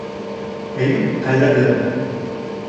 Әйүп ҡәҙерлем!